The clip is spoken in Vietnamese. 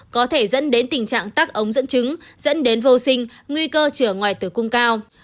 có thể dẫn đến tình trạng tắc ống dẫn chứng dẫn đến vô sinh nguy cơ trở ngoài tử cung cao